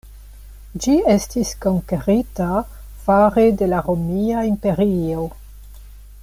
Ĝi estis konkerita fare de la Romia Imperio.